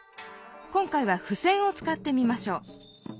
今回はふせんを使ってみましょう。